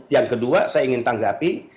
yang kedua saya ingin tanggapi